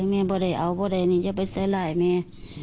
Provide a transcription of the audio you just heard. แม่พอได้เอาพอได้นี่อย่าไปใส่หลายแม่